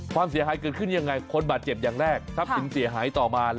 ความเสียหายเกิดขึ้นยังไงคนบาดเจ็บอย่างแรกทรัพย์สินเสียหายต่อมา